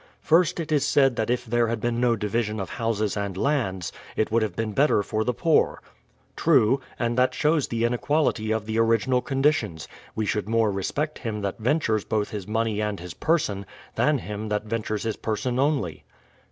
First, it is said that if there had been no division of houses and lands, it would have been better for the poor :— True, — and that shows the inequality of the original conditions : we should more respect him that ventures both his money and his person, than him that ventures his person only.